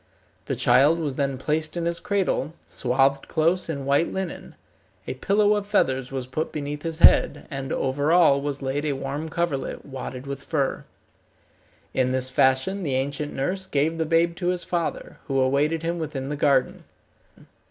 The child was then placed in his cradle, swathed close in white linen. A pillow of feathers was put beneath his head, and over all was laid a warm coverlet, wadded with fur. In this fashion the ancient nurse gave the babe to his father, who awaited him within the garden.